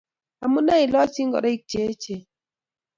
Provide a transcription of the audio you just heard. Amune ilochi ingoroik che echen.